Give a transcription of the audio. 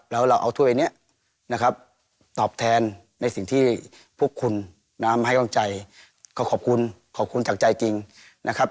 แล้วเราเอาถ้วยนี้นะครับตอบแทนในสิ่งที่พวกคุณน้ำให้กำลังใจก็ขอบคุณขอบคุณจากใจจริงนะครับ